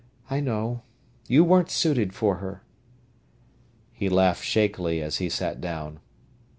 I know. You weren't suited for her." He laughed shakily as he sat down.